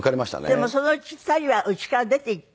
でもそのうち２人は家から出ていった？